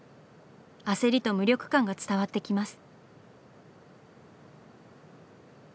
焦りと無力感が伝わってきます。